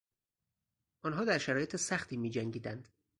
آنها در شرایط سختی میجنگیدند.